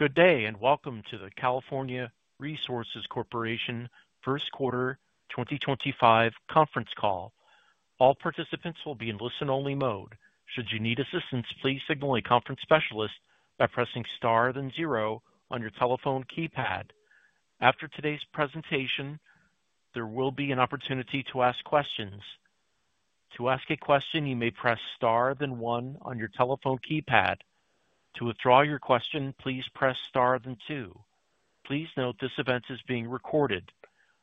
Good day and welcome to the California Resources Corporation First Quarter 2025 conference call. All participants will be in listen-only mode. Should you need assistance, please signal a conference specialist by pressing star then zero on your telephone keypad. After today's presentation, there will be an opportunity to ask questions. To ask a question, you may press star then one on your telephone keypad. To withdraw your question, please press star then two. Please note this event is being recorded.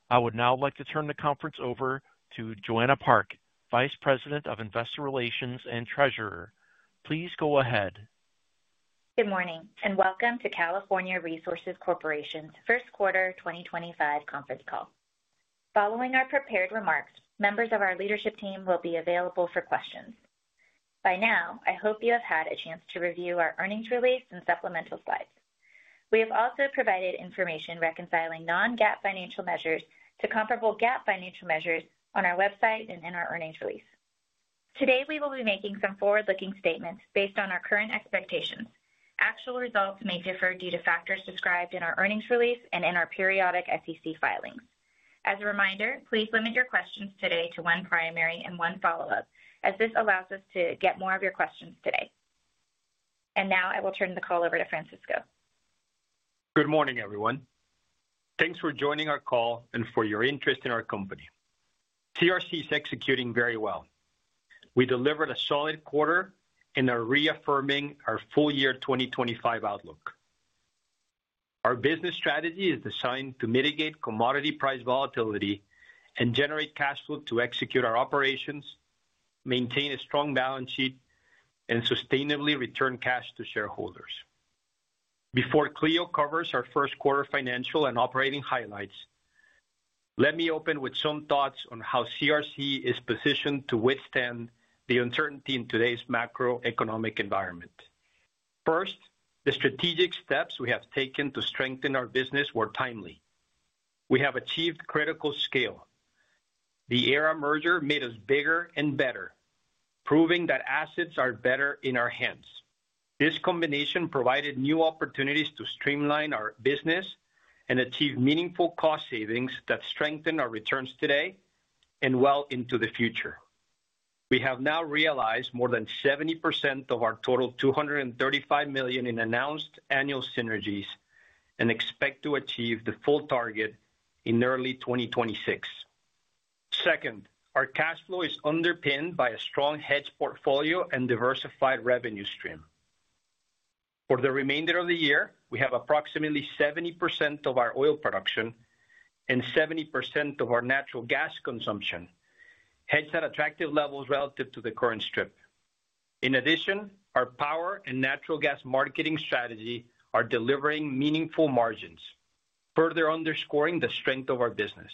I would now like to turn the conference over to Joanna Park, Vice President of Investor Relations and Treasurer. Please go ahead. Good morning and welcome to California Resources Corporation's first quarter 2025 conference call. Following our prepared remarks, members of our leadership team will be available for questions. By now, I hope you have had a chance to review our earnings release and supplemental Slides. We have also provided information reconciling non-GAAP financial measures to comparable GAAP financial measures on our website and in our earnings release. Today, we will be making some forward-looking statements based on our current expectations. Actual results may differ due to factors described in our earnings release and in our periodic SEC filings. As a reminder, please limit your questions today to one primary and one follow-up, as this allows us to get more of your questions today. I will turn the call over to Francisco. Good morning, everyone. Thanks for joining our call and for your interest in our company. CRC is executing very well. We delivered a solid quarter and are reaffirming our full year 2025 outlook. Our business strategy is designed to mitigate commodity price volatility and generate cash flow to execute our operations, maintain a strong balance sheet, and sustainably return cash to shareholders. Before Clio covers our first quarter financial and operating highlights, let me open with some thoughts on how CRC is positioned to withstand the uncertainty in today's macroeconomic environment. First, the strategic steps we have taken to strengthen our business were timely. We have achieved critical scale. The Aera merger made us bigger and better, proving that assets are better in our hands. This combination provided new opportunities to streamline our business and achieve meaningful cost savings that strengthen our returns today and well into the future. We have now realized more than 70% of our total $235 million in announced annual synergies and expect to achieve the full target in early 2026. Second, our cash flow is underpinned by a strong hedge portfolio and diversified revenue stream. For the remainder of the year, we have approximately 70% of our oil production and 70% of our natural gas consumption, hedged at attractive levels relative to the current strip. In addition, our power and natural gas marketing strategy are delivering meaningful margins, further underscoring the strength of our business.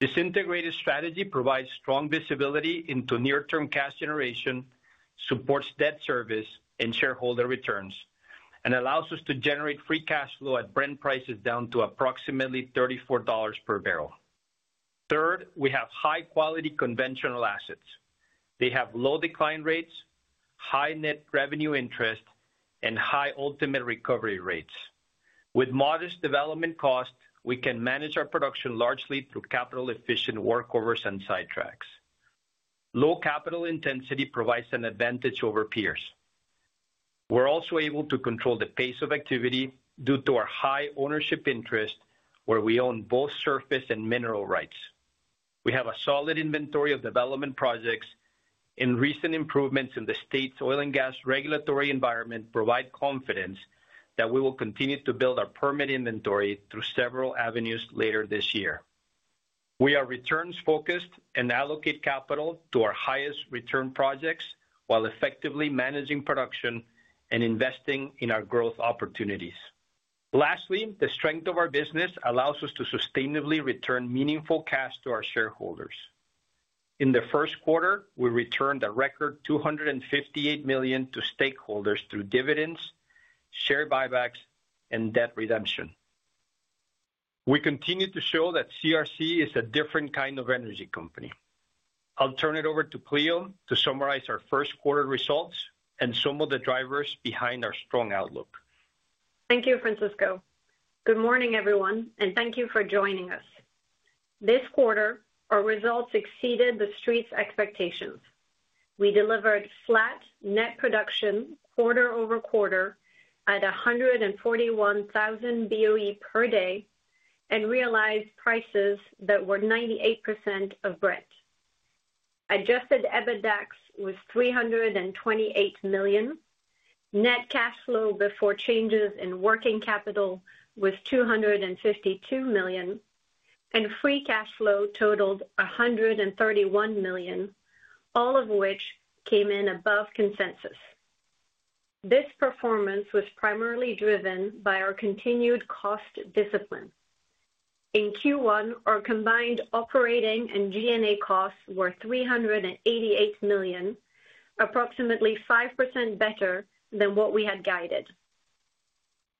This integrated strategy provides strong visibility into near-term cash generation, supports debt service and shareholder returns, and allows us to generate free cash flow at Brent prices down to approximately $34 per barrel. Third, we have high-quality conventional assets. They have low decline rates, high net revenue interest, and high ultimate recovery rates. With modest development costs, we can manage our production largely through capital-efficient workovers and sidetracks. Low capital intensity provides an advantage over peers. We're also able to control the pace of activity due to our high ownership interest, where we own both surface and mineral rights. We have a solid inventory of development projects, and recent improvements in the state's oil and gas regulatory environment provide confidence that we will continue to build our permit inventory through several avenues later this year. We are returns-focused and allocate capital to our highest return projects while effectively managing production and investing in our growth opportunities. Lastly, the strength of our business allows us to sustainably return meaningful cash to our shareholders. In the first quarter, we returned a record $258 million to stakeholders through dividends, share buybacks, and debt redemption. We continue to show that CRC is a different kind of energy company. I'll turn it over to Clio to summarize our first quarter results and some of the drivers behind our strong outlook. Thank you, Francisco. Good morning, everyone, and thank you for joining us. This quarter, our results exceeded the street's expectations. We delivered flat net production quarter over quarter at 141,000 BOE per day and realized prices that were 98% of Brent. Adjusted EBITDA was $328 million. Net cash flow before changes in working capital was $252 million, and free cash flow totaled $131 million, all of which came in above consensus. This performance was primarily driven by our continued cost discipline. In Q1, our combined operating and G&A costs were $388 million, approximately 5% better than what we had guided.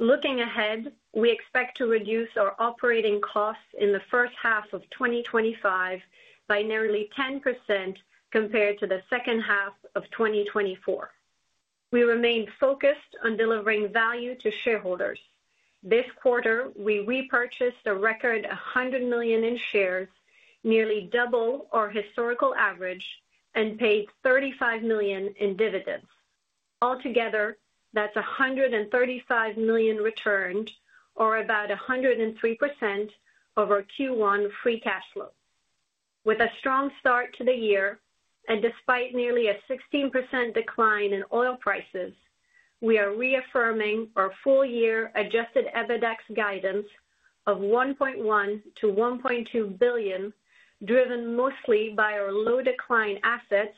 Looking ahead, we expect to reduce our operating costs in the first half of 2025 by nearly 10% compared to the second half of 2024. We remained focused on delivering value to shareholders. This quarter, we repurchased a record $100 million in shares, nearly double our historical average, and paid $35 million in dividends. Altogether, that's $135 million returned, or about 103% of our Q1 free cash flow. With a strong start to the year, and despite nearly a 16% decline in oil prices, we are reaffirming our full-year adjusted EBITDA guidance of $1.1 billion-$1.2 billion, driven mostly by our low-decline assets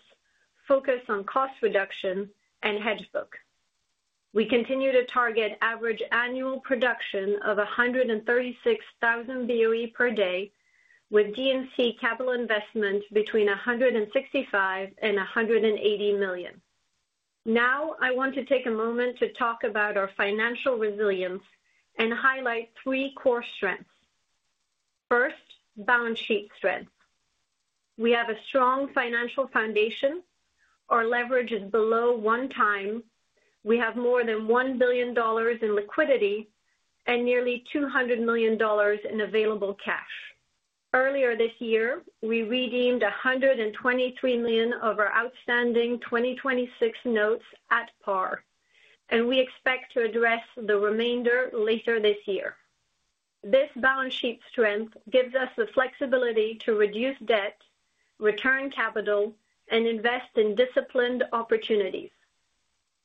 focused on cost reduction and hedge book. We continue to target average annual production of 136,000 BOE per day, with D&C capital investment between $165 million-$180 million. Now, I want to take a moment to talk about our financial resilience and highlight three core strengths. First, balance sheet strength. We have a strong financial foundation. Our leverage is below one time. We have more than $1 billion in liquidity and nearly $200 million in available cash. Earlier this year, we redeemed $123 million of our outstanding 2026 notes at par, and we expect to address the remainder later this year. This balance sheet strength gives us the flexibility to reduce debt, return capital, and invest in disciplined opportunities.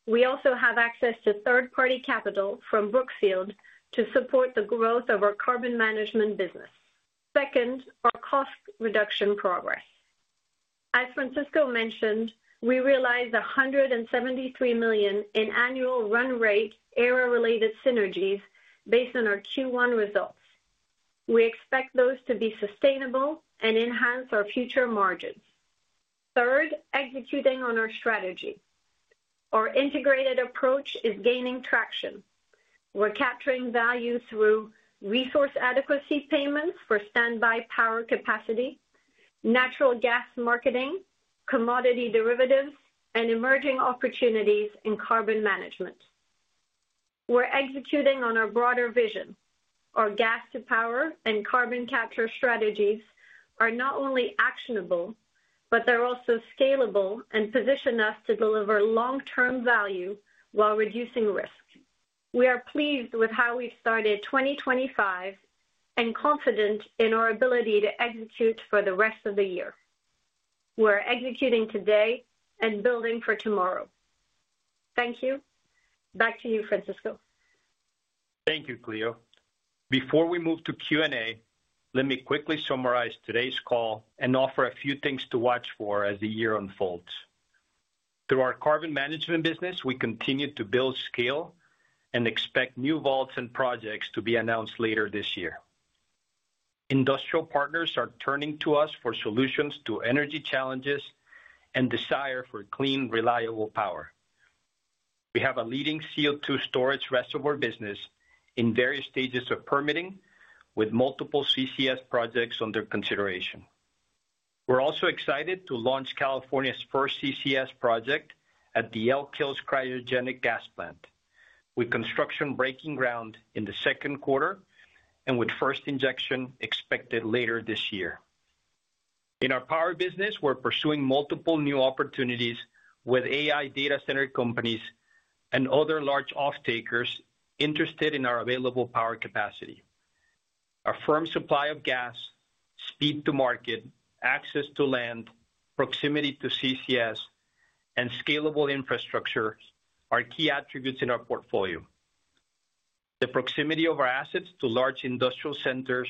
We also have access to third-party capital from Brookfield to support the growth of our carbon management business. Second, our cost reduction progress. As Francisco mentioned, we realized $173 million in annual run rate Aera-related synergies based on our Q1 results. We expect those to be sustainable and enhance our future margins. Third, executing on our strategy. Our integrated approach is gaining traction. We're capturing value through resource adequacy payments for standby power capacity, natural gas marketing, commodity derivatives, and emerging opportunities in carbon management. We're executing on our broader vision. Our gas-to-power and carbon capture strategies are not only actionable, but they're also scalable and position us to deliver long-term value while reducing risk. We are pleased with how we've started 2025 and confident in our ability to execute for the rest of the year. We're executing today and building for tomorrow. Thank you. Back to you, Francisco. Thank you, Clio. Before we move to Q&A, let me quickly summarize today's call and offer a few things to watch for as the year unfolds. Through our carbon management business, we continue to build scale and expect new vaults and projects to be announced later this year. Industrial partners are turning to us for solutions to energy challenges and desire for clean, reliable power. We have a leading CO2 storage reservoir business in various stages of permitting, with multiple CCS projects under consideration. We're also excited to launch California's first CCS project at the Elk Hills Cryogenic Gas Plant, with construction breaking ground in the second quarter and with first injection expected later this year. In our power business, we're pursuing multiple new opportunities with AI data center companies and other large off-takers interested in our available power capacity. Our firm supply of gas, speed to market, access to land, proximity to CCS, and scalable infrastructure are key attributes in our portfolio. The proximity of our assets to large industrial centers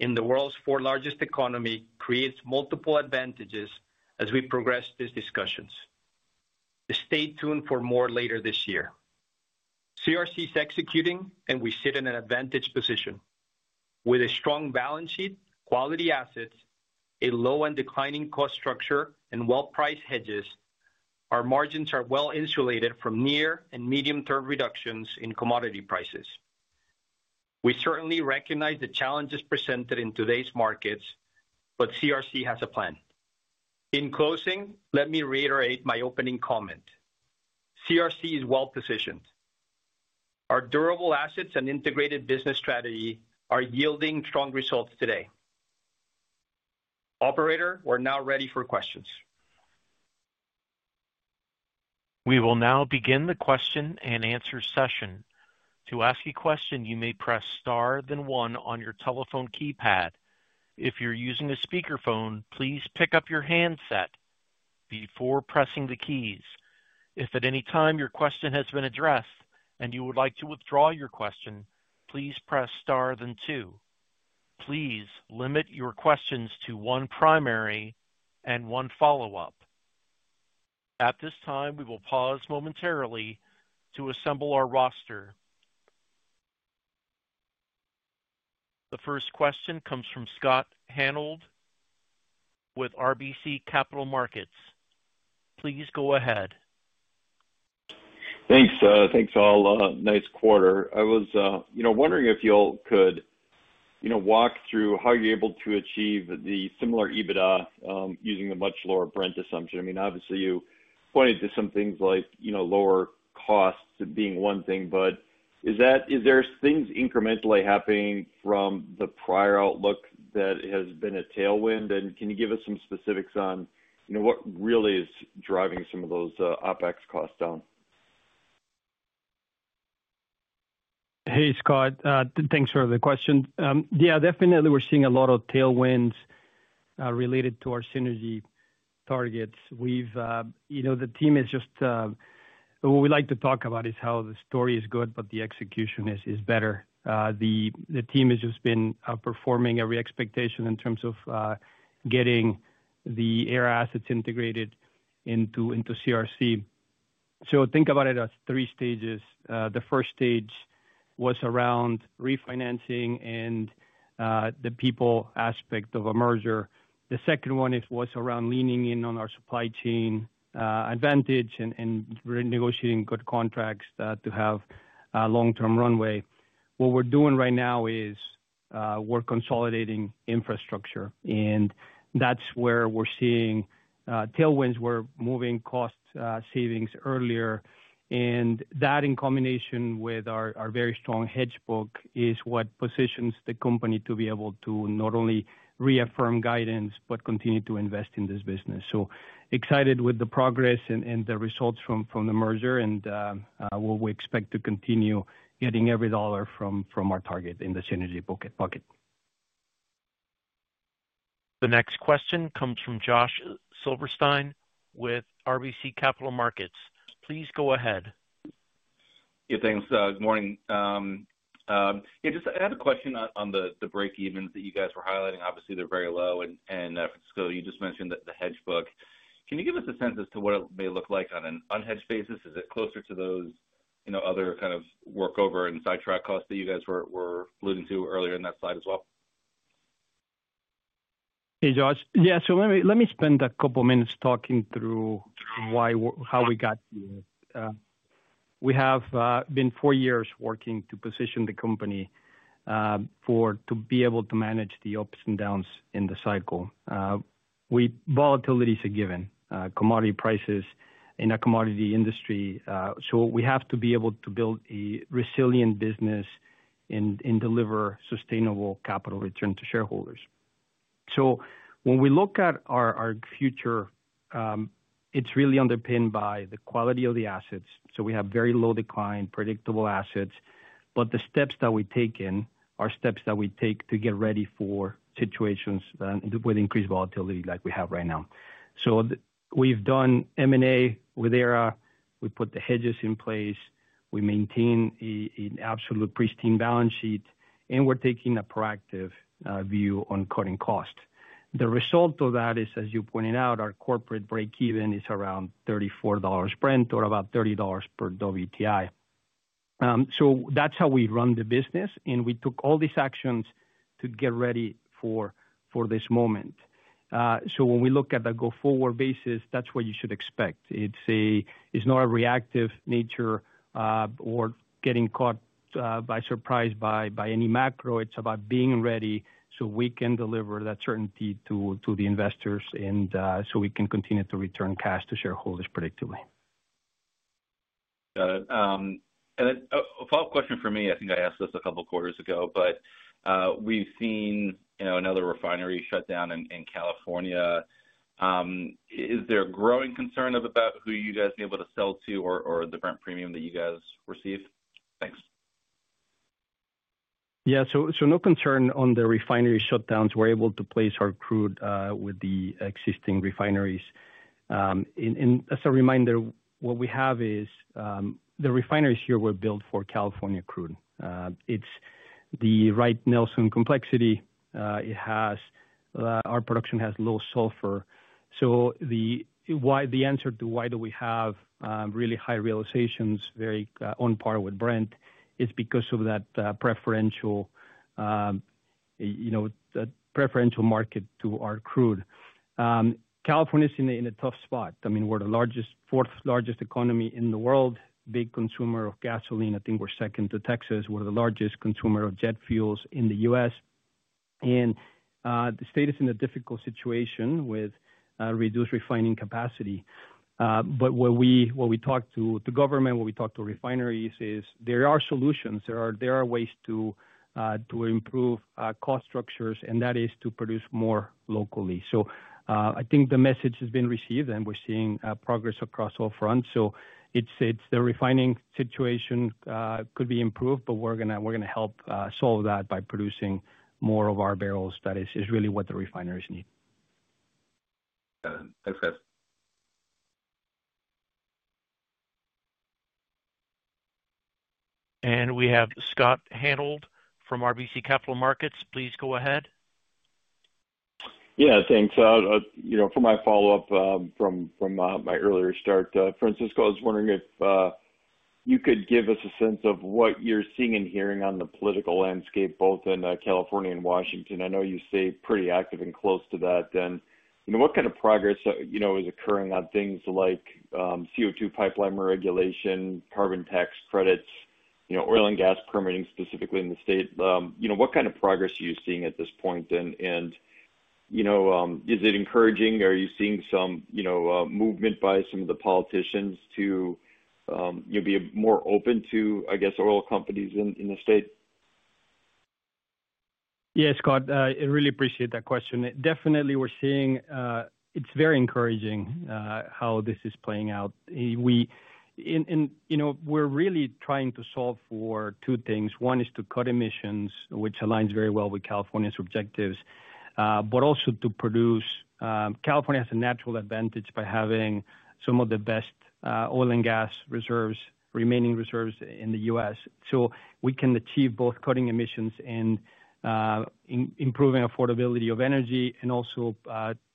in the world's four largest economies creates multiple advantages as we progress these discussions. Stay tuned for more later this year. CRC is executing, and we sit in an advantage position. With a strong balance sheet, quality assets, a low and declining cost structure, and well-priced hedges, our margins are well insulated from near and medium-term reductions in commodity prices. We certainly recognize the challenges presented in today's markets, but CRC has a plan. In closing, let me reiterate my opening comment. CRC is well positioned. Our durable assets and integrated business strategy are yielding strong results today. Operator, we're now ready for questions. We will now begin the question and answer session. To ask a question, you may press star then one on your telephone keypad. If you're using a speakerphone, please pick up your handset before pressing the keys. If at any time your question has been addressed and you would like to withdraw your question, please press star then two. Please limit your questions to one primary and one follow-up. At this time, we will pause momentarily to assemble our roster. The first question comes from Scott Hanold with RBC Capital Markets. Please go ahead. Thanks, thanks all. Nice quarter. I was, you know, wondering if y'all could, you know, walk through how you're able to achieve the similar EBITDA using a much lower Brent assumption. I mean, obviously, you pointed to some things like, you know, lower costs being one thing, but is that, is there things incrementally happening from the prior outlook that has been a tailwind? I mean, can you give us some specifics on, you know, what really is driving some of those OPEX costs down? Hey, Scott, thanks for the question. Yeah, definitely, we're seeing a lot of tailwinds related to our synergy targets. You know, the team is just, what we like to talk about is how the story is good, but the execution is better. The team has just been performing every expectation in terms of getting the Aera assets integrated into CRC. Think about it as three stages. The first stage was around refinancing and the people aspect of a merger. The second one was around leaning in on our supply chain advantage and renegotiating good contracts to have a long-term runway. What we're doing right now is we're consolidating infrastructure, and that's where we're seeing tailwinds. We're moving cost savings earlier, and that in combination with our very strong hedge book is what positions the company to be able to not only reaffirm guidance, but continue to invest in this business. Excited with the progress and the results from the merger, and we expect to continue getting every dollar from our target in the synergy bucket. The next question comes from Josh Silverstein with RBC Capital Markets. Please go ahead. Yeah, thanks. Good morning. Yeah, just I had a question on the break-evens that you guys were highlighting. Obviously, they're very low, and Francisco, you just mentioned the hedge book. Can you give us a sense as to what it may look like on an unhedged basis? Is it closer to those, you know, other kind of workover and sidetrack costs that you guys were alluding to earlier in that Slide as well? Hey, Josh. Yeah, so let me spend a couple of minutes talking through why, how we got here. We have been four years working to position the company to be able to manage the ups and downs in the cycle. Volatility is a given. Commodity prices in a commodity industry. We have to be able to build a resilient business and deliver sustainable capital return to shareholders. When we look at our future, it's really underpinned by the quality of the assets. We have very low decline, predictable assets, but the steps that we take in are steps that we take to get ready for situations with increased volatility like we have right now. We've done M&A with Aera. We put the hedges in place. We maintain an absolute pristine balance sheet, and we're taking a proactive view on cutting cost. The result of that is, as you pointed out, our corporate break-even is around $34 Brent or about $30 per WTI. That is how we run the business, and we took all these actions to get ready for this moment. When we look at the go-forward basis, that is what you should expect. It is not a reactive nature or getting caught by surprise by any macro. It is about being ready so we can deliver that certainty to the investors and so we can continue to return cash to shareholders predictably. Got it. A follow-up question for me. I think I asked this a couple of quarters ago, but we've seen another refinery shut down in California. Is there a growing concern about who you guys are able to sell to or the Brent premium that you guys receive? Thanks. Yeah, so no concern on the refinery shutdowns. We're able to place our crude with the existing refineries. As a reminder, what we have is the refineries here were built for California crude. It is the right Nelson complexity. Our production has low sulfur. The answer to why do we have really high realizations, very on par with Brent, is because of that preferential, you know, preferential market to our crude. California is in a tough spot. I mean, we're the fourth largest economy in the world, big consumer of gasoline. I think we're second to Texas. We're the largest consumer of jet fuels in the U.S. The state is in a difficult situation with reduced refining capacity. What we talk to government, what we talk to refineries is there are solutions. There are ways to improve cost structures, and that is to produce more locally. I think the message has been received, and we're seeing progress across all fronts. The refining situation could be improved, but we're going to help solve that by producing more of our barrels. That is really what the refineries need. Got it. Thanks, guys. We have Scott Hanold from RBC Capital Markets. Please go ahead. Yeah, thanks. You know, for my follow-up from my earlier start, Francisco, was wondering if you could give us a sense of what you're seeing and hearing on the political landscape, both in California and Washington. I know you stay pretty active and close to that. You know, what kind of progress, you know, is occurring on things like CO2 pipeline regulation, carbon tax credits, you know, oil and gas permitting specifically in the state? You know, what kind of progress are you seeing at this point? You know, is it encouraging? Are you seeing some, you know, movement by some of the politicians to, you know, be more open to, I guess, oil companies in the state? Yeah, Scott, I really appreciate that question. Definitely, we're seeing it's very encouraging how this is playing out. You know, we're really trying to solve for two things. One is to cut emissions, which aligns very well with California's objectives, but also to produce. California has a natural advantage by having some of the best oil and gas reserves, remaining reserves in the U.S. We can achieve both cutting emissions and improving affordability of energy and also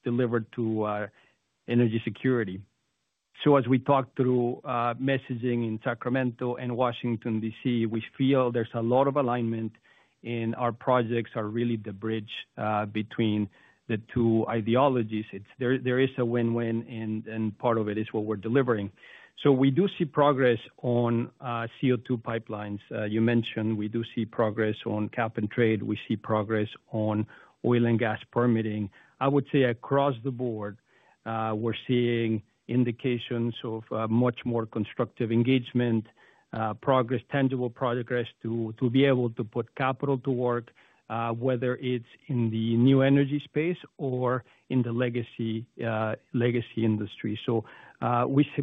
deliver to energy security. As we talk through messaging in Sacramento and Washington, D.C., we feel there's a lot of alignment, and our projects are really the bridge between the two ideologies. There is a win-win, and part of it is what we're delivering. We do see progress on CO2 pipelines. You mentioned we do see progress on cap and trade. We see progress on oil and gas permitting. I would say across the board, we're seeing indications of much more constructive engagement, progress, tangible progress to be able to put capital to work, whether it's in the new energy space or in the legacy industry.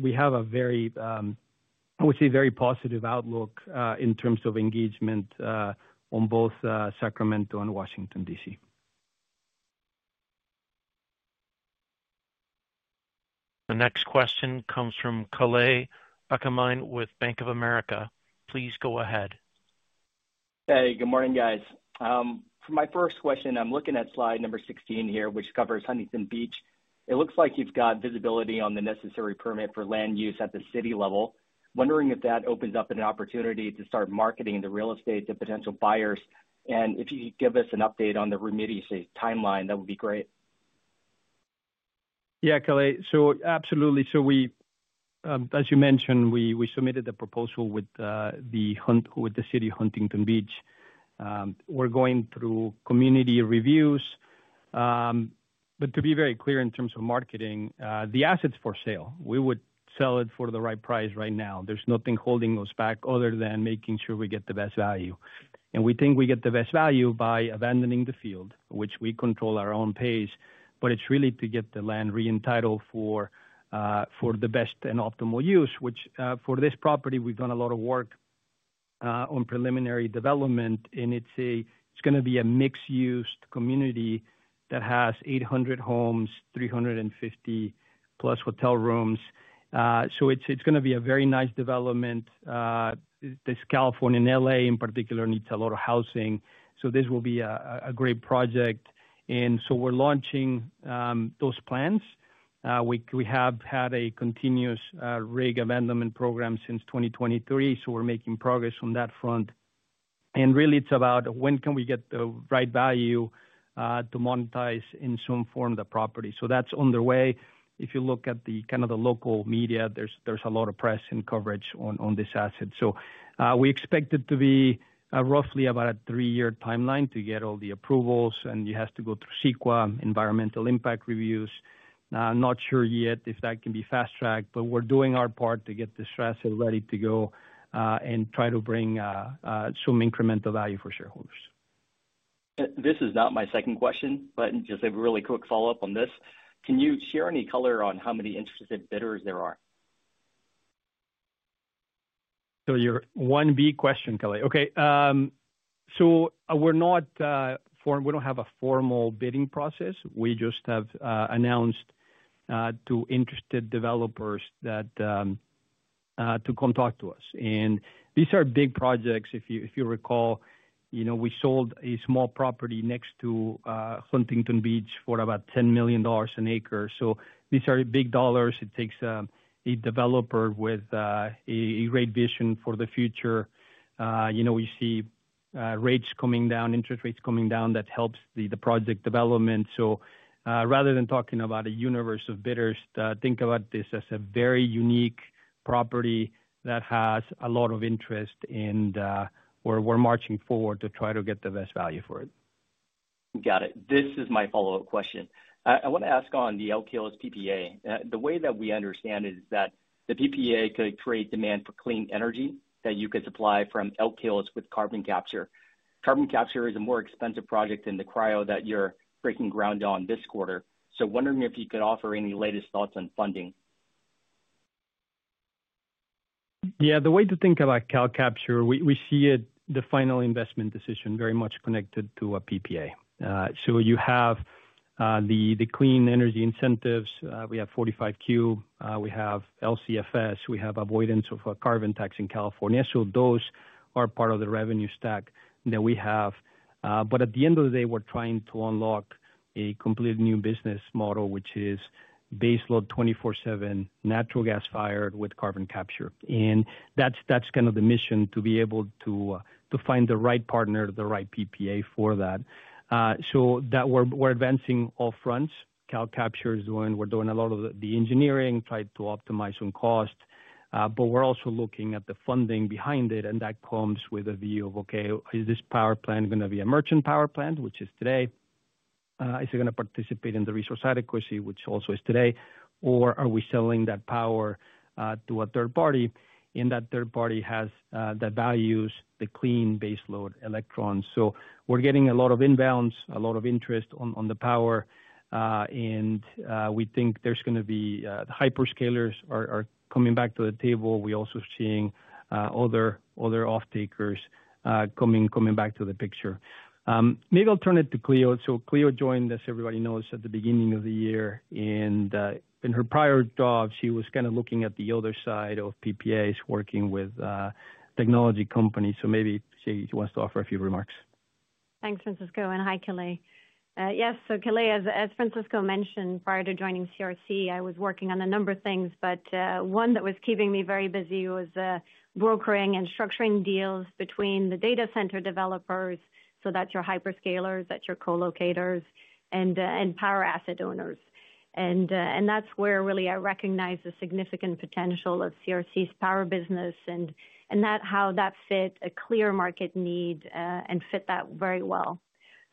We have a very, I would say, very positive outlook in terms of engagement on both Sacramento and Washington, D.C. The next question comes from Kalei Akamine with Bank of America. Please go ahead. Hey, good morning, guys. For my first question, I'm looking at Slide number 16 here, which covers Huntington Beach. It looks like you've got visibility on the necessary permit for land use at the city level. Wondering if that opens up an opportunity to start marketing the real estate to potential buyers. If you could give us an update on the remediation timeline, that would be great. Yeah, Kalei, so absolutely. So we, as you mentioned, we submitted the proposal with the city of Huntington Beach. We're going through community reviews. To be very clear in terms of marketing, the asset's for sale. We would sell it for the right price right now. There's nothing holding us back other than making sure we get the best value. We think we get the best value by abandoning the field, which we control at our own pace, but it's really to get the land re-entitled for the best and optimal use, which for this property, we've done a lot of work on preliminary development, and it's going to be a mixed-use community that has 800 homes, 350-plus hotel rooms. It's going to be a very nice development. This is California and L.A. in particular needs a lot of housing. This will be a great project. We're launching those plans. We have had a continuous rig abandonment program since 2023, so we're making progress on that front. Really, it's about when can we get the right value to monetize in some form the property. That's underway. If you look at the local media, there's a lot of press and coverage on this asset. We expect it to be roughly about a three-year timeline to get all the approvals, and you have to go through CEQA, environmental impact reviews. I'm not sure yet if that can be fast-tracked, but we're doing our part to get this asset ready to go and try to bring some incremental value for shareholders. This is not my second question, but just a really quick follow-up on this. Can you share any color on how many interested bidders there are? Your 1B question, Kalei. Okay. We do not have a formal bidding process. We have just announced to interested developers to come talk to us. These are big projects. If you recall, we sold a small property next to Huntington Beach for about $10 million an acre. These are big dollars. It takes a developer with a great vision for the future. You know, we see rates coming down, interest rates coming down, that helps the project development. Rather than talking about a universe of bidders, think about this as a very unique property that has a lot of interest, and we are marching forward to try to get the best value for it. Got it. This is my follow-up question. I want to ask on the Elk Hills PPA. The way that we understand it is that the PPA could create demand for clean energy that you could supply from Elk Hills with carbon capture. Carbon capture is a more expensive project than the cryo that you're breaking ground on this quarter. So wondering if you could offer any latest thoughts on funding. Yeah, the way to think about carbon capture, we see it, the final investment decision, very much connected to a PPA. You have the clean energy incentives. We have 45Q. We have LCFS. We have avoidance of a carbon tax in California. Those are part of the revenue stack that we have. At the end of the day, we're trying to unlock a completely new business model, which is baseload 24/7, natural gas fired with carbon capture. That's kind of the mission to be able to find the right partner, the right PPA for that. We're advancing all fronts. Cow capture is doing, we're doing a lot of the engineering, trying to optimize on cost, but we're also looking at the funding behind it, and that comes with a view of, okay, is this power plant going to be a merchant power plant, which is today? Is it going to participate in the resource adequacy, which also is today? Are we selling that power to a third party? That third party has the values, the clean baseload electrons. We're getting a lot of inbounds, a lot of interest on the power. We think there's going to be hyperscalers coming back to the table. We're also seeing other off-takers coming back to the picture. Maybe I'll turn it to Clio. Clio joined us, everybody knows, at the beginning of the year. In her prior job, she was kind of looking at the other side of PPAs, working with technology companies. Maybe she wants to offer a few remarks. Thanks, Francisco. Hi, Kalei. Yes, Kalei, as Francisco mentioned, prior to joining CRC, I was working on a number of things, but one that was keeping me very busy was brokering and structuring deals between the data center developers, so that's your hyperscalers, that's your co-locators, and power asset owners. That is where I really recognized the significant potential of CRC's power business and how that fit a clear market need and fit that very well.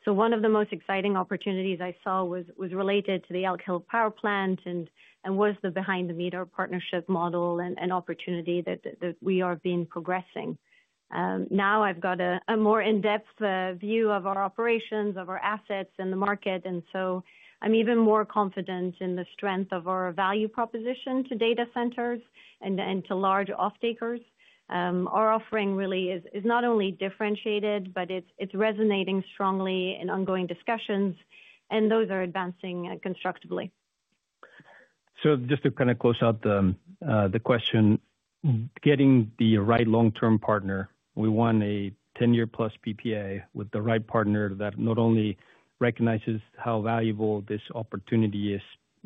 One of the most exciting opportunities I saw was related to the Elk Hills power plant and was the behind-the-meter partnership model and opportunity that we are progressing. Now I have a more in-depth view of our operations, of our assets in the market. I am even more confident in the strength of our value proposition to data centers and to large off-takers. Our offering really is not only differentiated, but it's resonating strongly in ongoing discussions, and those are advancing constructively. Just to kind of close out the question, getting the right long-term partner, we want a 10-year-plus PPA with the right partner that not only recognizes how valuable this opportunity is.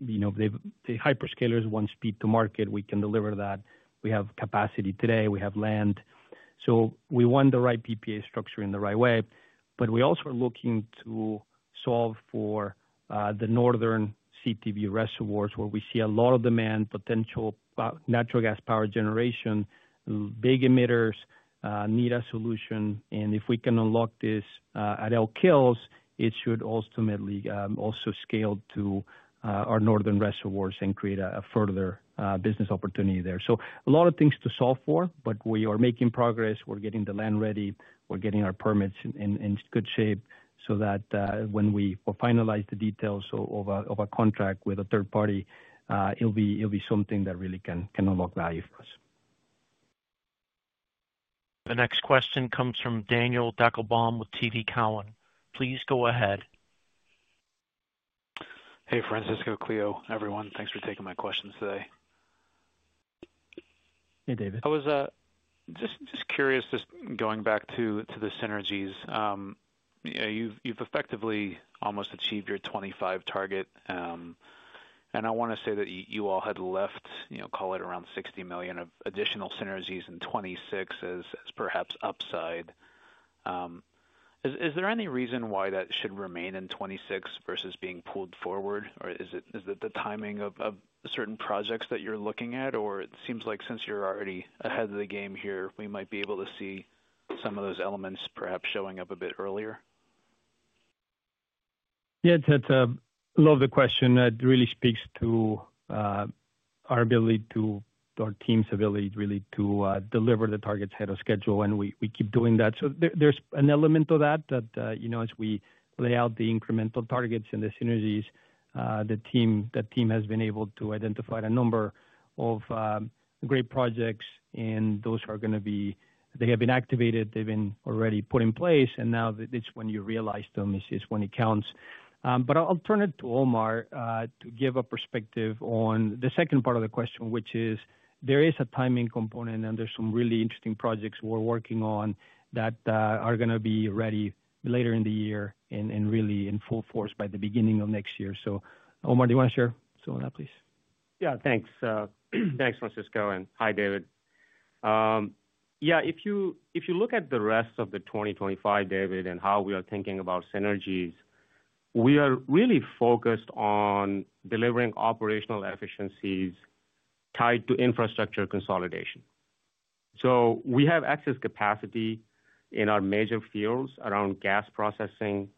You know, the hyperscalers want speed to market. We can deliver that. We have capacity today. We have land. We want the right PPA structure in the right way. We also are looking to solve for the northern CTV reservoirs where we see a lot of demand, potential natural gas power generation, big emitters need a solution. If we can unlock this at Elk Hills, it should ultimately also scale to our northern reservoirs and create a further business opportunity there. A lot of things to solve for, but we are making progress. We're getting the land ready. We're getting our permits in good shape so that when we finalize the details of a contract with a third party, it'll be something that really can unlock value for us. The next question comes from David Deckelbaum with TD Cowen. Please go ahead. Hey, Francisco, Clio, everyone. Thanks for taking my questions today. Hey, David. I was just curious, just going back to the synergies, you've effectively almost achieved your 2025 target. I want to say that you all had left, you know, call it around $60 million of additional synergies in 2026 as perhaps upside. Is there any reason why that should remain in 2026 versus being pulled forward? Is it the timing of certain projects that you're looking at? It seems like since you're already ahead of the game here, we might be able to see some of those elements perhaps showing up a bit earlier? Yeah, that's a love of the question. That really speaks to our ability to, our team's ability really to deliver the targets ahead of schedule, and we keep doing that. There is an element of that that, you know, as we lay out the incremental targets and the synergies, the team has been able to identify a number of great projects, and those are going to be, they have been activated, they've been already put in place, and now it's when you realize them is when it counts. I'll turn it to Omar to give a perspective on the second part of the question, which is there is a timing component, and there's some really interesting projects we're working on that are going to be ready later in the year and really in full force by the beginning of next year. Omar, do you want to share some of that, please? Yeah, thanks. Thanks, Francisco. Hi, David. If you look at the rest of 2025, David, and how we are thinking about synergies, we are really focused on delivering operational efficiencies tied to infrastructure consolidation. We have access capacity in our major fields around gas processing,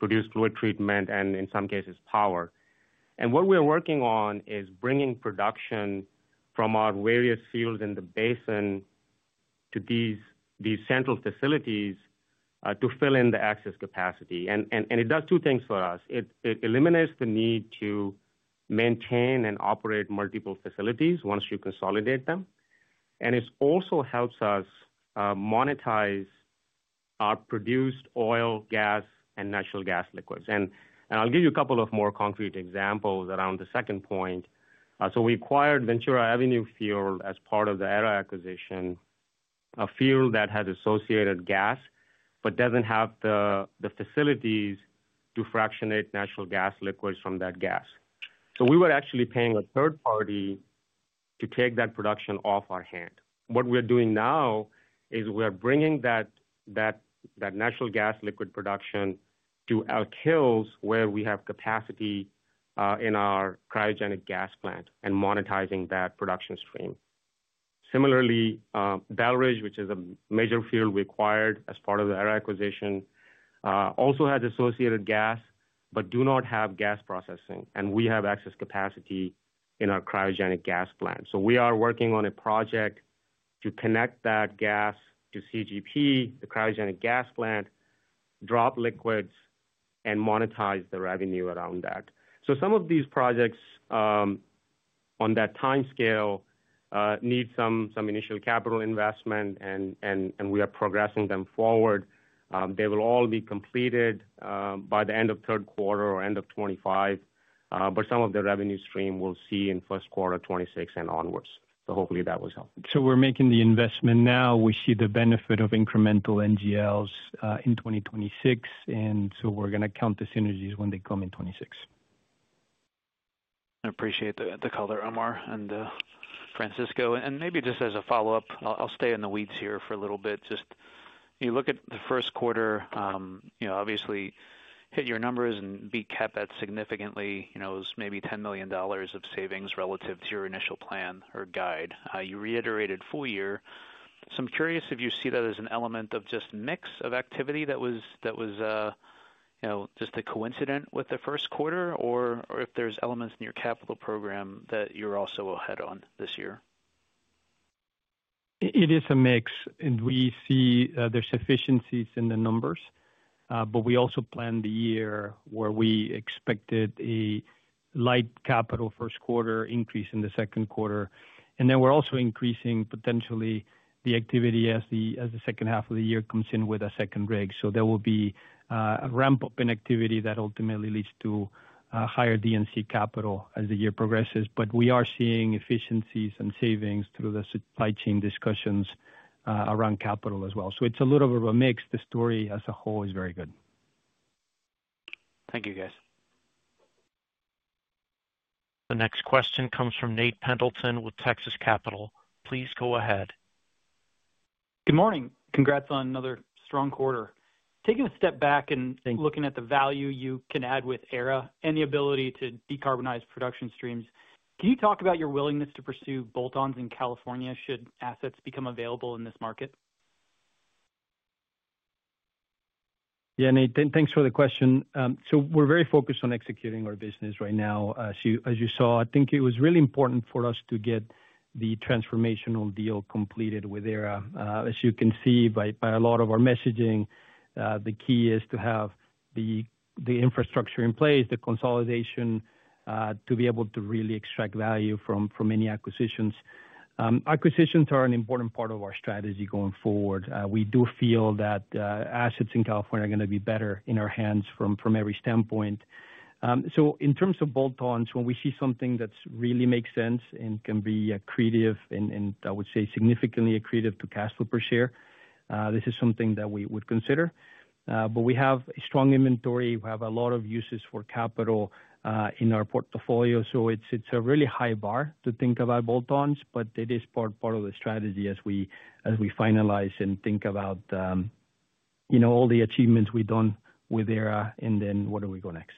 produced fluid treatment, and in some cases, power. What we are working on is bringing production from our various fields in the basin to these central facilities to fill in the access capacity. It does two things for us. It eliminates the need to maintain and operate multiple facilities once you consolidate them. It also helps us monetize our produced oil, gas, and natural gas liquids. I'll give you a couple of more concrete examples around the second point. We acquired Ventura Avenue field as part of the Aera acquisition, a field that has associated gas, but does not have the facilities to fractionate natural gas liquids from that gas. We were actually paying a third party to take that production off our hands. What we are doing now is we are bringing that natural gas liquids production to Elk Hills, where we have capacity in our cryogenic gas plant and monetizing that production stream. Similarly, Bellridge, which is a major field we acquired as part of the Aera acquisition, also has associated gas, but does not have gas processing. We have excess capacity in our cryogenic gas plant. We are working on a project to connect that gas to CGP, the cryogenic gas plant, drop liquids, and monetize the revenue around that. Some of these projects on that timescale need some initial capital investment, and we are progressing them forward. They will all be completed by the end of third quarter or end of 2025, but some of the revenue stream we'll see in first quarter 2026 and onwards. Hopefully that was helpful. We're making the investment now. We see the benefit of incremental NGLs in 2026, and we're going to count the synergies when they come in 2026. I appreciate the color, Omar and Francisco. Maybe just as a follow-up, I'll stay in the weeds here for a little bit. Just you look at the first quarter, you know, obviously hit your numbers and beat CapEx significantly. You know, it was maybe $10 million of savings relative to your initial plan or guide. You reiterated full year. I'm curious if you see that as an element of just mix of activity that was, you know, just a coincident with the first quarter, or if there's elements in your capital program that you're also ahead on this year. It is a mix, and we see there are efficiencies in the numbers, but we also planned the year where we expected a light capital first quarter increase in the second quarter. We are also increasing potentially the activity as the second half of the year comes in with a second rig. There will be a ramp-up in activity that ultimately leads to higher D&C capital as the year progresses. We are seeing efficiencies and savings through the supply chain discussions around capital as well. It is a little bit of a mix. The story as a whole is very good. Thank you, guys. The next question comes from Nate Pendleton with Texas Capital. Please go ahead. Good morning. Congrats on another strong quarter. Taking a step back and looking at the value you can add with Aera and the ability to decarbonize production streams, can you talk about your willingness to pursue bolt-ons in California should assets become available in this market? Yeah, Nate, thanks for the question. We are very focused on executing our business right now. As you saw, I think it was really important for us to get the transformational deal completed with Aera. As you can see by a lot of our messaging, the key is to have the infrastructure in place, the consolidation to be able to really extract value from any acquisitions. Acquisitions are an important part of our strategy going forward. We do feel that assets in California are going to be better in our hands from every standpoint. In terms of bolt-ons, when we see something that really makes sense and can be accretive, and I would say significantly accretive to cash flow per share, this is something that we would consider. We have a strong inventory. We have a lot of uses for capital in our portfolio. It is a really high bar to think about bolt-ons, but it is part of the strategy as we finalize and think about, you know, all the achievements we have done with Aera and then what do we go next.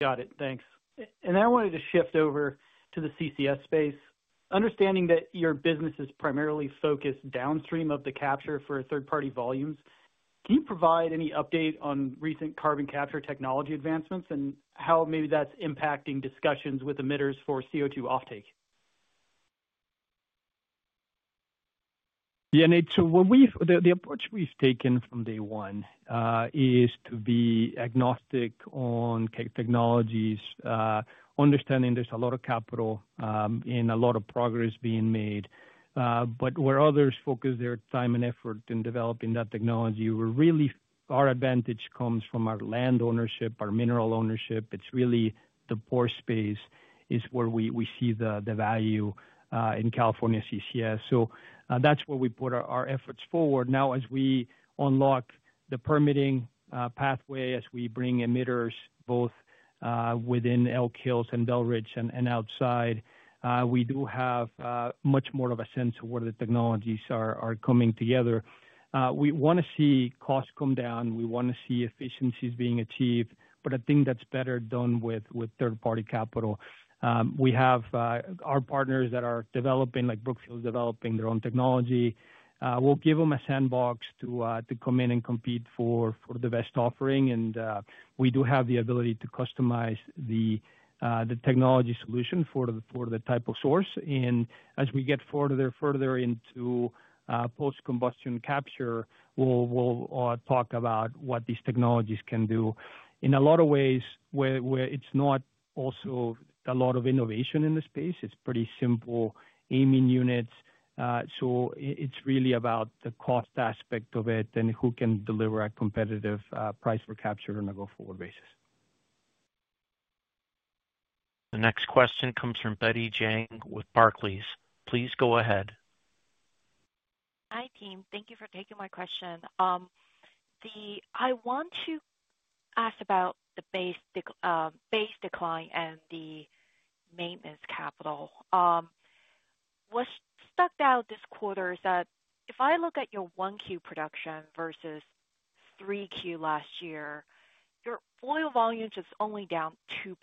Got it. Thanks. I wanted to shift over to the CCS space. Understanding that your business is primarily focused downstream of the capture for third-party volumes, can you provide any update on recent carbon capture technology advancements and how maybe that's impacting discussions with emitters for CO2 offtake? Yeah, Nate, the approach we've taken from day one is to be agnostic on technologies, understanding there's a lot of capital and a lot of progress being made. Where others focus their time and effort in developing that technology, our advantage comes from our land ownership, our mineral ownership. It's really the pore space is where we see the value in California CCS. That's where we put our efforts forward. Now, as we unlock the permitting pathway, as we bring emitters both within Elk Hills and Bellridge and outside, we do have much more of a sense of where the technologies are coming together. We want to see costs come down. We want to see efficiencies being achieved. I think that's better done with third-party capital. We have our partners that are developing, like Brookfield's developing their own technology. We'll give them a sandbox to come in and compete for the best offering. We do have the ability to customize the technology solution for the type of source. As we get further and further into post-combustion capture, we'll talk about what these technologies can do. In a lot of ways, where it's not also a lot of innovation in the space, it's pretty simple aiming units. It is really about the cost aspect of it and who can deliver a competitive price for capture on a go-forward basis. The next question comes from Betty Jiang with Barclays. Please go ahead. Hi, team. Thank you for taking my question. I want to ask about the base decline and the maintenance capital. What stuck out this quarter is that if I look at your Q1 production versus Q3 last year, your oil volume is only down 2%.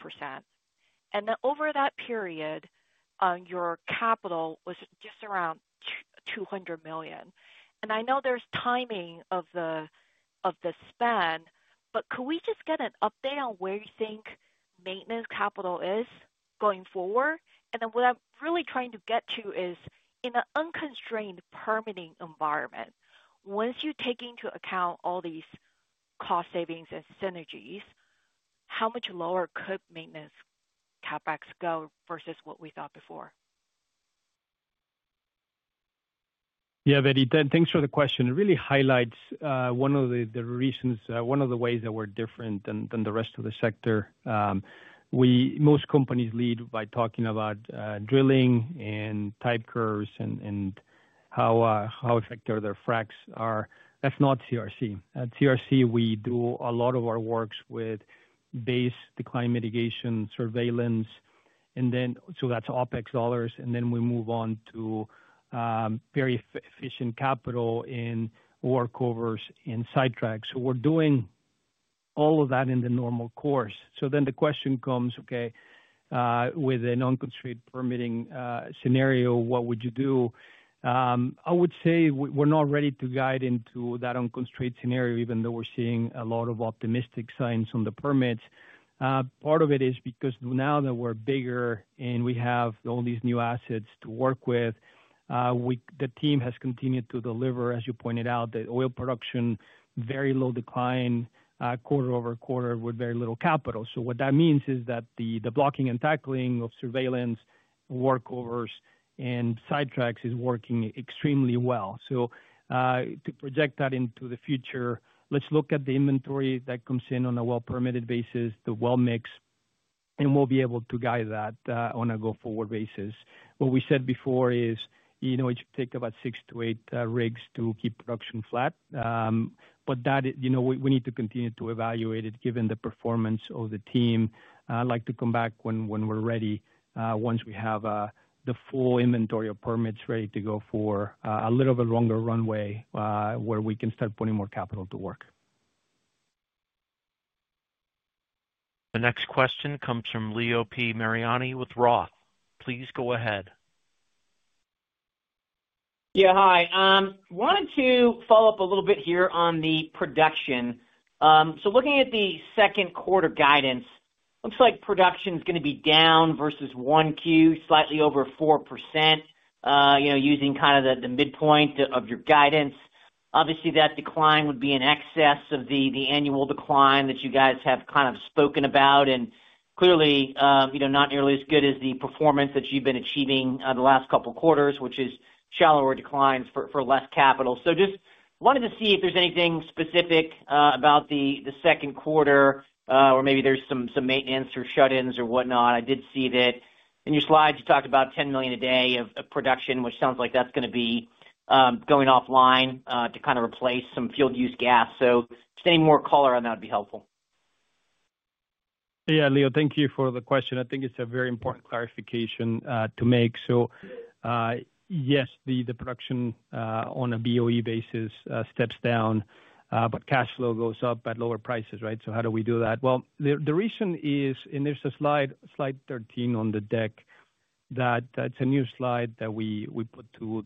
And then over that period, your capital was just around $200 million. I know there's timing of the spend, but could we just get an update on where you think maintenance capital is going forward? What I'm really trying to get to is in an unconstrained permitting environment, once you take into account all these cost savings and synergies, how much lower could maintenance CapEx go versus what we thought before? Yeah, Betty, thanks for the question. It really highlights one of the reasons, one of the ways that we're different than the rest of the sector. Most companies lead by talking about drilling and type curves and how effective their fracs are. That's not CRC. At CRC, we do a lot of our work with base decline mitigation surveillance. And then that's OPEX dollars. Then we move on to very efficient capital and workovers and sidetracks. We're doing all of that in the normal course. The question comes, okay, with an unconstrained permitting scenario, what would you do? I would say we're not ready to guide into that unconstrained scenario, even though we're seeing a lot of optimistic signs on the permits. Part of it is because now that we're bigger and we have all these new assets to work with, the team has continued to deliver, as you pointed out, the oil production very low decline quarter over quarter with very little capital. What that means is that the blocking and tackling of surveillance, workovers, and sidetracks is working extremely well. To project that into the future, let's look at the inventory that comes in on a well-permitted basis, the well mix, and we'll be able to guide that on a go-forward basis. What we said before is, you know, it should take about six to eight rigs to keep production flat. That, you know, we need to continue to evaluate it given the performance of the team. I'd like to come back when we're ready, once we have the full inventory of permits ready to go for a little bit longer runway where we can start putting more capital to work. The next question comes from Leo P. Mariani with Roth. Please go ahead. Yeah, hi. I wanted to follow up a little bit here on the production. So looking at the second quarter guidance, looks like production is going to be down versus 1Q, slightly over 4%, you know, using kind of the midpoint of your guidance. Obviously, that decline would be in excess of the annual decline that you guys have kind of spoken about and clearly, you know, not nearly as good as the performance that you've been achieving the last couple of quarters, which is shallower declines for less capital. So just wanted to see if there's anything specific about the second quarter, or maybe there's some maintenance or shut-ins or whatnot. I did see that in your slides, you talked about 10 million a day of production, which sounds like that's going to be going offline to kind of replace some field-use gas. Just any more color on that would be helpful. Yeah, Leo, thank you for the question. I think it's a very important clarification to make. Yes, the production on a BOE basis steps down, but cash flow goes up at lower prices, right? How do we do that? The reason is, and there's a slide, Slide 13 on the deck, that is a new slide that we put to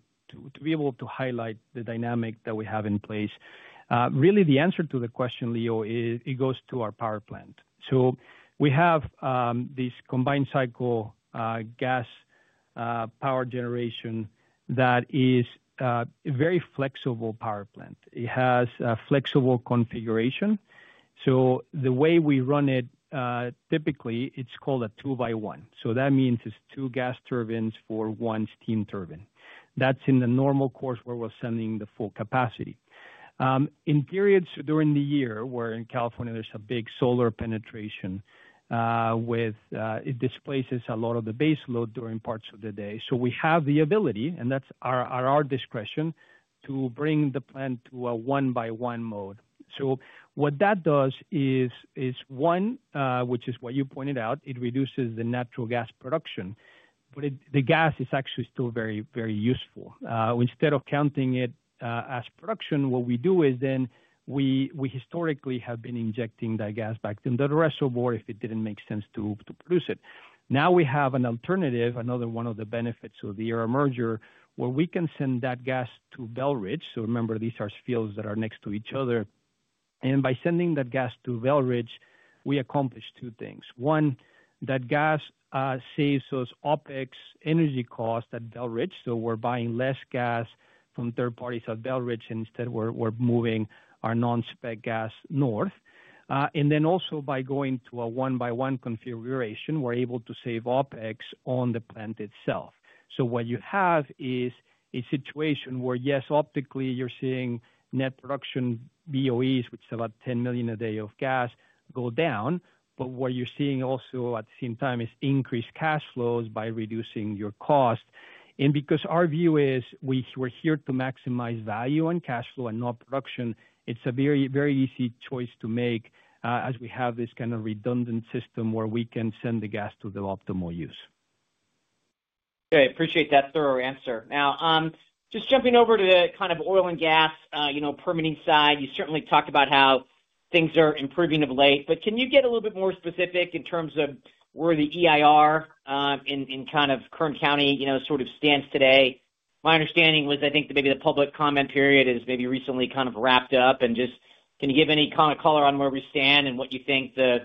be able to highlight the dynamic that we have in place. Really, the answer to the question, Leo, goes to our power plant. We have this combined cycle gas power generation that is a very flexible power plant. It has a flexible configuration. The way we run it, typically, it's called a two by one. That means it's two gas turbines for one steam turbine. That's in the normal course where we're sending the full capacity. In periods during the year where in California, there is a big solar penetration, it displaces a lot of the base load during parts of the day. We have the ability, and that is at our discretion, to bring the plant to a one by one mode. What that does is, one, which is what you pointed out, it reduces the natural gas production, but the gas is actually still very, very useful. Instead of counting it as production, what we do is then we historically have been injecting that gas back into the reservoir if it did not make sense to produce it. Now we have an alternative, another one of the benefits of the Aera merger, where we can send that gas to Bellridge. Remember, these are fields that are next to each other. By sending that gas to Bellridge, we accomplish two things. One, that gas saves us OPEX energy costs at Bellridge. We are buying less gas from third parties at Bellridge, and instead, we are moving our non-spec gas north. Also, by going to a one by one configuration, we are able to save OPEX on the plant itself. What you have is a situation where, yes, optically, you are seeing net production BOEs, which is about 10 million a day of gas, go down. What you are seeing also at the same time is increased cash flows by reducing your cost. Because our view is we are here to maximize value on cash flow and not production, it is a very, very easy choice to make as we have this kind of redundant system where we can send the gas to the optimal use. Okay, appreciate that thorough answer. Now, just jumping over to the kind of oil and gas, you know, permitting side, you certainly talked about how things are improving of late. Can you get a little bit more specific in terms of where the EIR in kind of Kern County, you know, sort of stands today? My understanding was I think maybe the public comment period has maybe recently kind of wrapped up. Just can you give any kind of color on where we stand and what you think the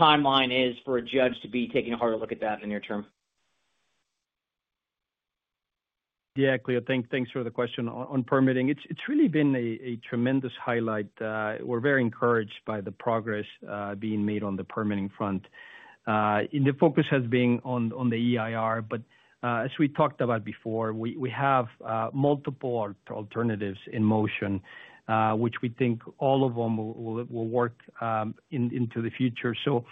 timeline is for a judge to be taking a harder look at that in the near term? Yeah, Leo, thanks for the question on permitting. It's really been a tremendous highlight. We're very encouraged by the progress being made on the permitting front. The focus has been on the EIR, but as we talked about before, we have multiple alternatives in motion, which we think all of them will work into the future. So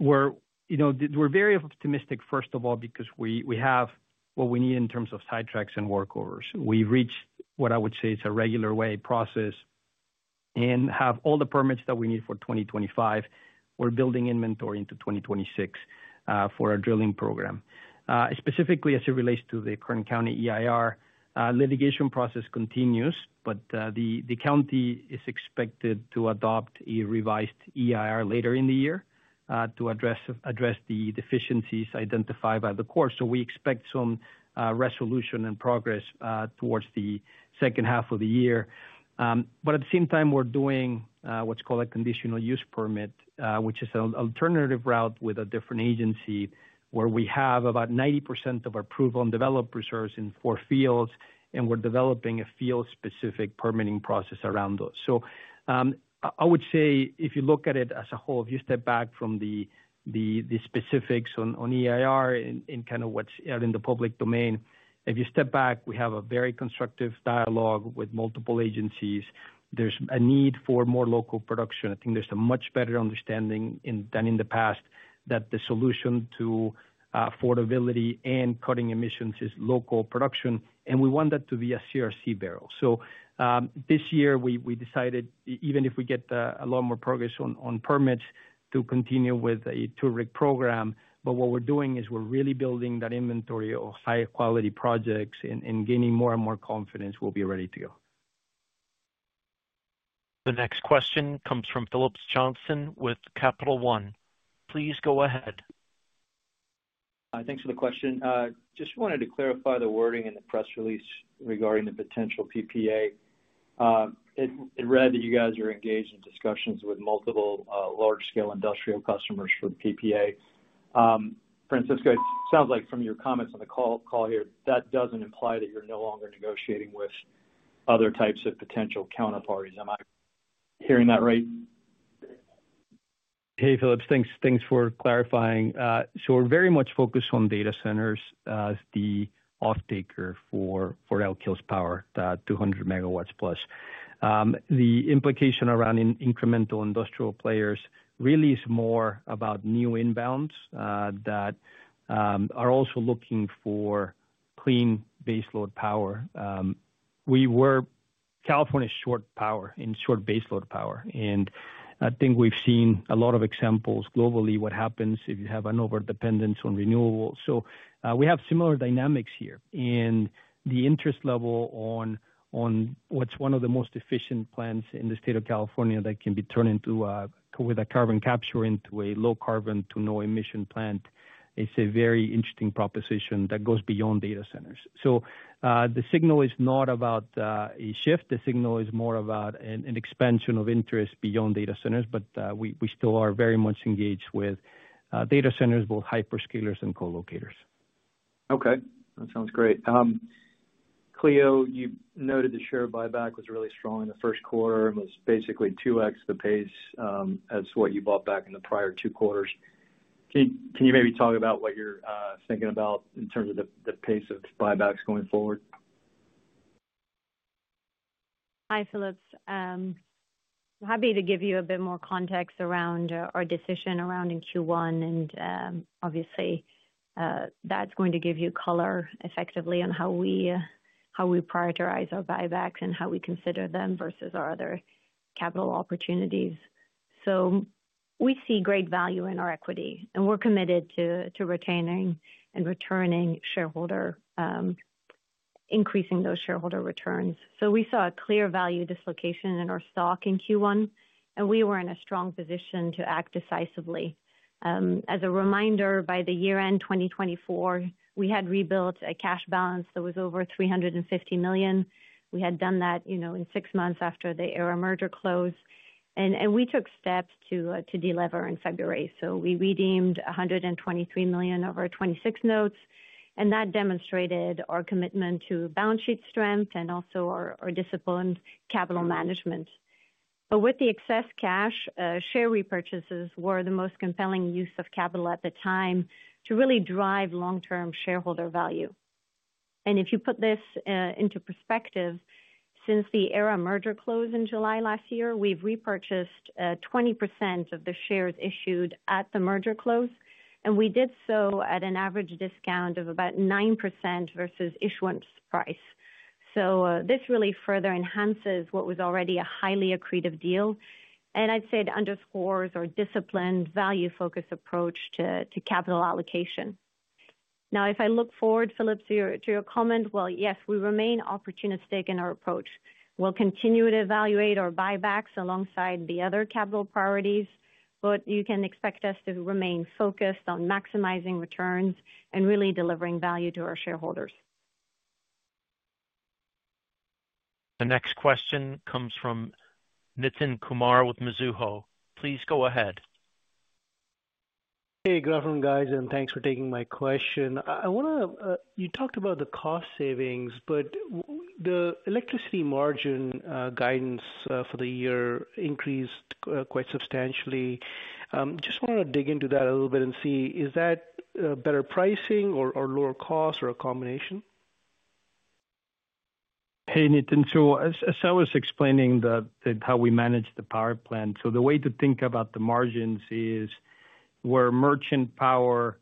we're, you know, we're very optimistic, first of all, because we have what we need in terms of sidetracks and workovers. We've reached what I would say is a regular way process and have all the permits that we need for 2025. We're building inventory into 2026 for our drilling program. Specifically, as it relates to the Kern County EIR, litigation process continues, but the county is expected to adopt a revised EIR later in the year to address the deficiencies identified by the court. We expect some resolution and progress towards the second half of the year. At the same time, we're doing what's called a conditional use permit, which is an alternative route with a different agency where we have about 90% of our prove-on-develop reserves in four fields, and we're developing a field-specific permitting process around those. I would say if you look at it as a whole, if you step back from the specifics on EIR and kind of what's out in the public domain, if you step back, we have a very constructive dialogue with multiple agencies. There's a need for more local production. I think there's a much better understanding than in the past that the solution to affordability and cutting emissions is local production. We want that to be a CRC barrel. This year, we decided, even if we get a lot more progress on permits, to continue with a two-rig program. What we are doing is we are really building that inventory of high-quality projects and gaining more and more confidence we will be ready to go. The next question comes from Phillips Johnston with Capital One. Please go ahead. Thanks for the question. Just wanted to clarify the wording in the press release regarding the potential PPA. It read that you guys are engaged in discussions with multiple large-scale industrial customers for the PPA. Francisco, it sounds like from your comments on the call here, that does not imply that you are no longer negotiating with other types of potential counterparties. Am I hearing that right? Hey, Phillips, thanks for clarifying. We are very much focused on data centers as the off-taker for Elk Hills Power, that 200+ MW. The implication around incremental industrial players really is more about new inbounds that are also looking for clean baseload power. California is short power and short baseload power. I think we have seen a lot of examples globally what happens if you have an overdependence on renewables. We have similar dynamics here. The interest level on what is one of the most efficient plants in the state of California that can be turned into, with carbon capture, a low carbon to no emission plant is a very interesting proposition that goes beyond data centers. The signal is not about a shift. The signal is more about an expansion of interest beyond data centers, but we still are very much engaged with data centers, both hyperscalers and co-locators. Okay, that sounds great. Clio, you noted the share buyback was really strong in the first quarter and was basically 2x the pace as what you bought back in the prior two quarters. Can you maybe talk about what you're thinking about in terms of the pace of buybacks going forward? Hi, Phillips. I'm happy to give you a bit more context around our decision around in Q1. Obviously, that's going to give you color effectively on how we prioritize our buybacks and how we consider them versus our other capital opportunities. We see great value in our equity, and we're committed to retaining and returning shareholder, increasing those shareholder returns. We saw a clear value dislocation in our stock in Q1, and we were in a strong position to act decisively. As a reminder, by the year-end 2024, we had rebuilt a cash balance that was over $350 million. We had done that, you know, in six months after the Aera merger close. We took steps to deliver in February. We redeemed $123 million of our 26 notes. That demonstrated our commitment to balance sheet strength and also our disciplined capital management. With the excess cash, share repurchases were the most compelling use of capital at the time to really drive long-term shareholder value. If you put this into perspective, since the Aera merger close in July last year, we have repurchased 20% of the shares issued at the merger close. We did so at an average discount of about 9% versus issuance price. This really further enhances what was already a highly accretive deal. I would say it underscores our disciplined, value-focused approach to capital allocation. If I look forward, Phillips, to your comment, yes, we remain opportunistic in our approach. We will continue to evaluate our buybacks alongside the other capital priorities, but you can expect us to remain focused on maximizing returns and really delivering value to our shareholders. The next question comes from Nitin Kumar with Mizuho. Please go ahead. Hey, good afternoon, guys. Thanks for taking my question. I want to, you talked about the cost savings, but the electricity margin guidance for the year increased quite substantially. Just want to dig into that a little bit and see, is that better pricing or lower cost or a combination? Hey, Nitin, as I was explaining how we manage the power plant, the way to think about the margins is where merchant power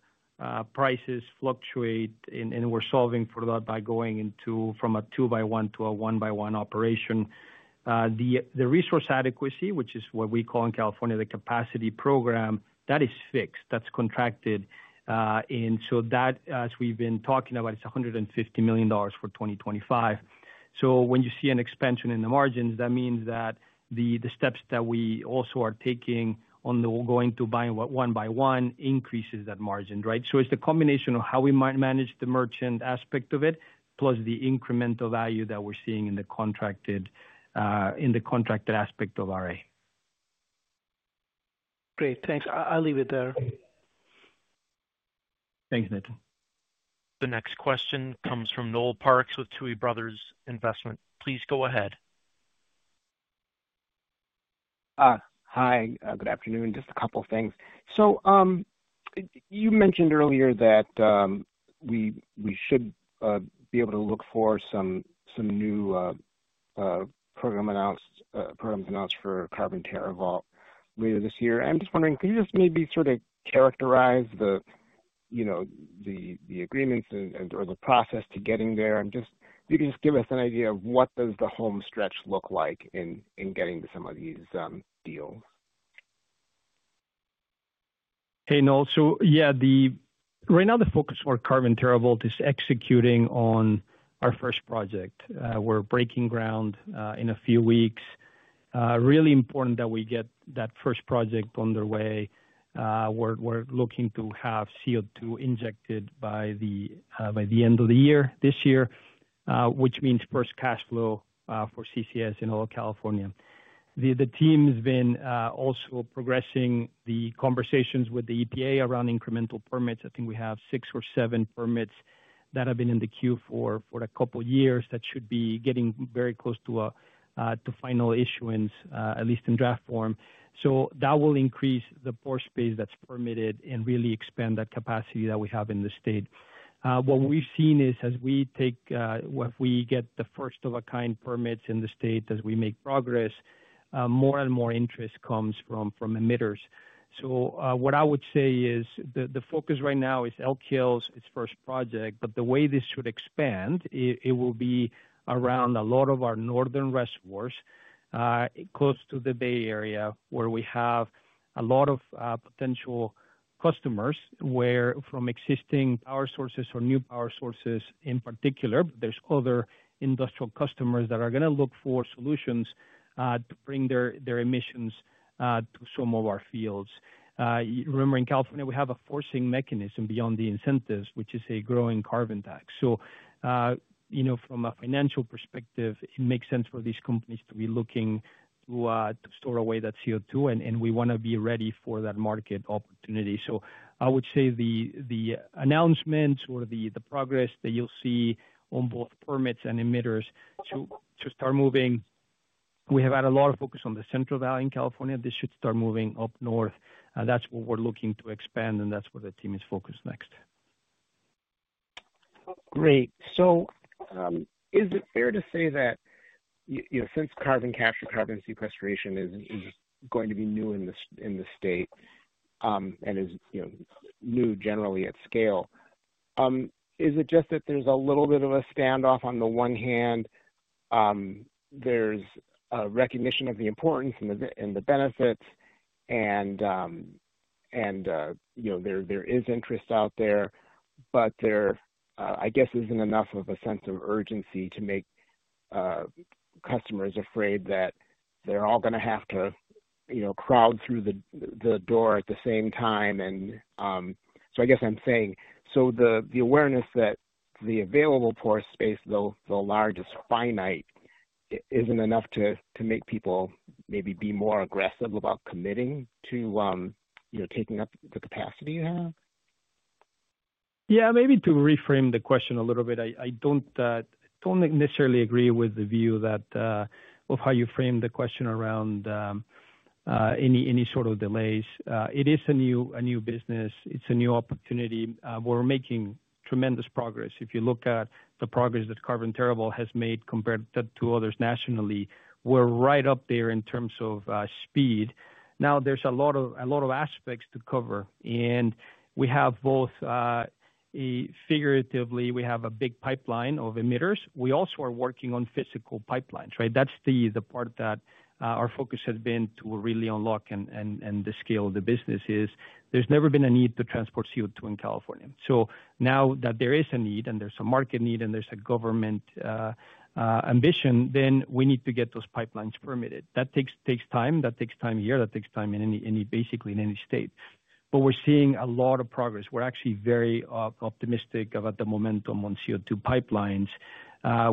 prices fluctuate and we're solving for that by going into from a two by one to a one by one operation. The resource adequacy, which is what we call in California the capacity program, that is fixed. That is contracted. That, as we have been talking about, is $150 million for 2025. When you see an expansion in the margins, that means that the steps that we also are taking on the going to buy one by one increases that margin, right? It is the combination of how we might manage the merchant aspect of it, plus the incremental value that we are seeing in the contracted aspect of RA. Great, thanks. I'll leave it there. Thanks, Nitin. The next question comes from Noel Parks with Tuohy Brothers Investment. Please go ahead. Hi, good afternoon. Just a couple of things. You mentioned earlier that we should be able to look for some new programs announced for carbon tariffs later this year. I'm just wondering, could you just maybe sort of characterize the, you know, the agreements or the process to getting there? I'm just, if you could just give us an idea of what does the home stretch look like in getting to some of these deals. Hey, Noel. Yeah, right now the focus for carbon tariffs is executing on our first project. We're breaking ground in a few weeks. Really important that we get that first project underway. We're looking to have CO2 injected by the end of the year this year, which means first cash flow for CCS in all of California. The team has been also progressing the conversations with the EPA around incremental permits. I think we have six or seven permits that have been in the queue for a couple of years that should be getting very close to final issuance, at least in draft form. That will increase the pore space that's permitted and really expand that capacity that we have in the state. What we've seen is as we take, if we get the first-of-a-kind permits in the state, as we make progress, more and more interest comes from emitters. What I would say is the focus right now is Elk Hills, its first project, but the way this should expand, it will be around a lot of our northern reservoirs close to the Bay Area where we have a lot of potential customers from existing power sources or new power sources in particular, but there are other industrial customers that are going to look for solutions to bring their emissions to some of our fields. Remember, in California, we have a forcing mechanism beyond the incentives, which is a growing carbon tax. You know, from a financial perspective, it makes sense for these companies to be looking to store away that CO2, and we want to be ready for that market opportunity. I would say the announcements or the progress that you'll see on both permits and emitters to start moving, we have had a lot of focus on the Central Valley in California. This should start moving up north. That's what we're looking to expand, and that's where the team is focused next. Great. Is it fair to say that, you know, since carbon capture, carbon sequestration is going to be new in the state and is, you know, new generally at scale, is it just that there's a little bit of a standoff? On the one hand, there's recognition of the importance and the benefits, and, you know, there is interest out there, but there, I guess, isn't enough of a sense of urgency to make customers afraid that they're all going to have to, you know, crowd through the door at the same time. I guess I'm saying the awareness that the available pore space, though large, is finite, isn't enough to make people maybe be more aggressive about committing to, you know, taking up the capacity you have? Yeah, maybe to reframe the question a little bit. I do not necessarily agree with the view of how you framed the question around any sort of delays. It is a new business. It is a new opportunity. We are making tremendous progress. If you look at the progress that carbon tariffs have made compared to others nationally, we are right up there in terms of speed. Now, there is a lot of aspects to cover. We have both, figuratively, we have a big pipeline of emitters. We also are working on physical pipelines, right? That is the part that our focus has been to really unlock and scale the business is there has never been a need to transport CO2 in California. Now that there is a need and there is a market need and there is a government ambition, then we need to get those pipelines permitted. That takes time. That takes time here. That takes time basically in any state. We are seeing a lot of progress. We are actually very optimistic about the momentum on CO2 pipelines.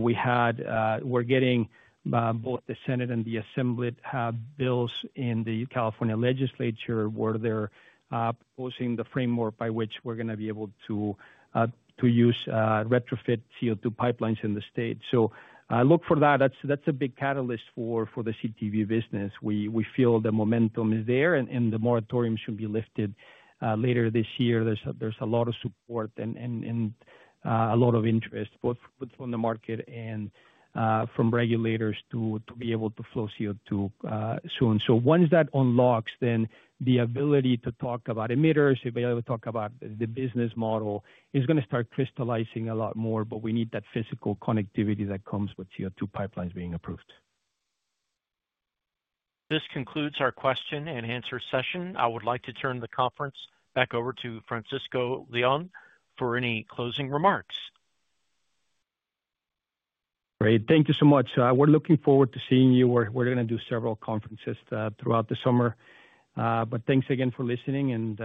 We are getting both the Senate and the Assembly bills in the California legislature where they are proposing the framework by which we are going to be able to use retrofit CO2 pipelines in the state. Look for that. That is a big catalyst for the CTV business. We feel the momentum is there, and the moratorium should be lifted later this year. There is a lot of support and a lot of interest, both from the market and from regulators to be able to flow CO2 soon. Once that unlocks, then the ability to talk about emitters, the ability to talk about the business model is going to start crystallizing a lot more, but we need that physical connectivity that comes with CO2 pipelines being approved. This concludes our question and answer session. I would like to turn the conference back over to Francisco Leon for any closing remarks. Great. Thank you so much. We're looking forward to seeing you. We're going to do several conferences throughout the summer. Thank you again for listening and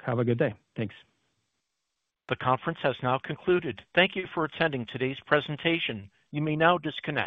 have a good day. Thanks. The conference has now concluded. Thank you for attending today's presentation. You may now disconnect.